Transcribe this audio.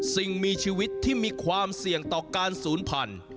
สิ่งมีชีวิตที่มีความเสี่ยงต่อการศูนย์พันธุ์